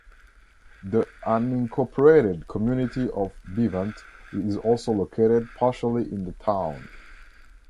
The unincorporated community of Bevent is also located partially in the town.